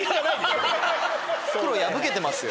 袋破けてますよ。